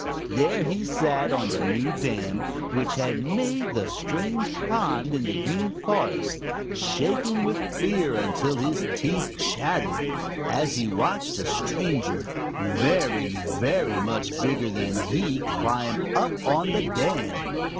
There he sat on the new dam, which had made the strange pond in the Green Forest, shaking with fear until his teeth chattered, as he watched a stranger very, very much bigger than he climb up on the dam.